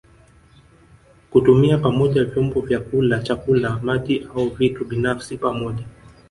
Kutumia pamoja vyombo vya kula chakula maji ama vitu binafsi pamoja